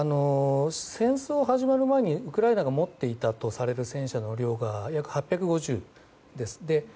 戦争が始まる前にウクライナが持っていたとされる戦車の量が約８５０です。